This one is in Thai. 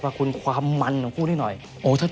พี่แดงก็พอสัมพันธ์พูดเลยนะครับ